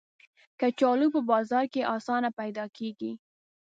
کچالو په بازار کې آسانه پیدا کېږي